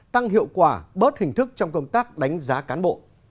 tăng hiệu quả bớt hình thức trong công tác đánh giá cán bộ